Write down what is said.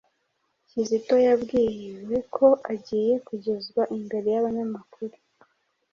Kizito yabwiwe ko agiye kugezwa imbere y'abanyamakuru.